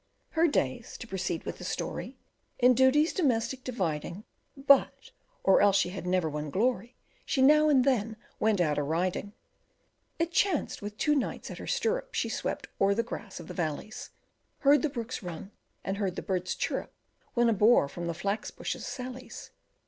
Her days to proceed with the story In duties domestic dividing, But, or else she had never won glory, She now and then went out a riding. It chanced, with two knights at her stirrup, She swept o'er the grass of the valleys, Heard the brooks run; and heard the birds chirrup, When a boar from the flax bushes sallies.